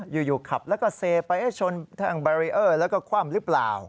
อยู่ขับแล้วก็เซไปชนแท่งบารีเออร์แล้วก็คว่ำหรือเปล่า